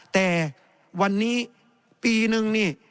แต่วันนี้ปีหนึ่ง